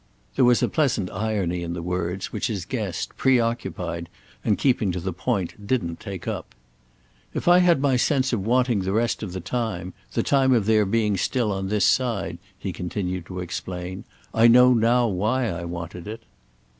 There was a pleasant irony in the words, which his guest, preoccupied and keeping to the point, didn't take up. "If I had my sense of wanting the rest of the time—the time of their being still on this side," he continued to explain—"I know now why I wanted it."